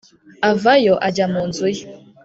avayo ajya mu nzu ye.